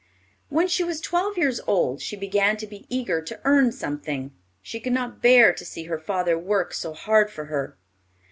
When she was twelve years old she began to be eager to earn something. She could not bear to see her father work so hard for her.